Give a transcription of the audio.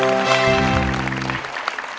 ไว้กับเรา